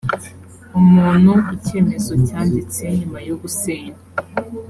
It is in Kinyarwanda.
umuntu icyemezo cyanditse nyuma yo gusenya